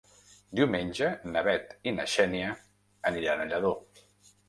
Diumenge na Bet i na Xènia aniran a Lladó.